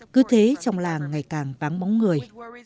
cứ thế trong làng ngày càng bán bóng người